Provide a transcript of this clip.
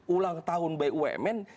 ulang tahun bumn